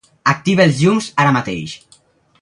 Activa els llums ara mateix.